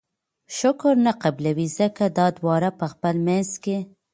شکر نه قبلوي!! ځکه دا دواړه په خپل منځ کي